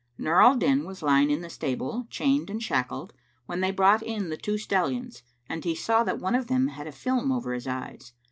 Nur al Din was lying in the stable, chained and shackled, when they brought in the two stallions and he saw that one of them had a film over his eyes.